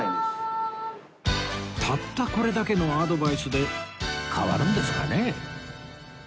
たったこれだけのアドバイスで変わるんですかね？